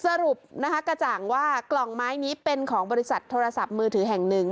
สรุปนะคะกระจ่างว่ากล่องไม้นี้เป็นของบริษัทโทรศัพท์มือถือแห่งหนึ่ง